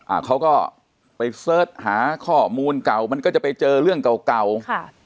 อ่าเขาก็ไปเสิร์ชหาข้อมูลเก่ามันก็จะไปเจอเรื่องเก่าเก่าค่ะ